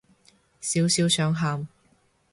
少少想喊